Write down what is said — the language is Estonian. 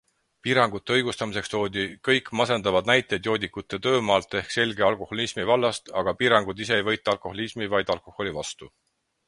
Piirangute õigustamiseks toodi kõik masendavad näited joodikute töömaalt ehk selge alkoholismi vallast, aga piirangud ise ei võitle alkoholismi, vaid alkoholi vastu.